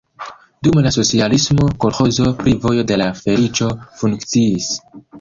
Dum la socialismo kolĥozo pri "Vojo de la Feliĉo" funkciis.